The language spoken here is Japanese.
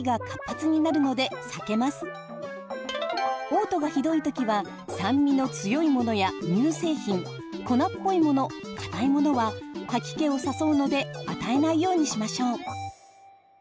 おう吐がひどいときは酸味の強いものや乳製品粉っぽいものかたいものは吐き気を誘うので与えないようにしましょう。